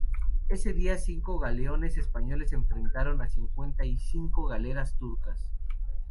Ese día cinco galeones españoles se enfrentaron a cincuenta y cinco galeras turcas.